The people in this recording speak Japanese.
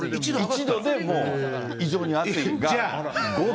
１度でもう異常に暑いが、５度？